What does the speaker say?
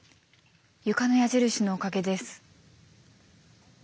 床の矢印のおかげです。